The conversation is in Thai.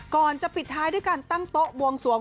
ก่อนจะปิดท้ายด้วยการตั้งโต๊ะบวงสวง